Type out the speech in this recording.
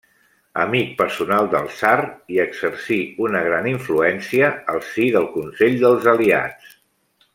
Amic personal del tsar, hi exercí una gran influència al si del Consell dels Aliats.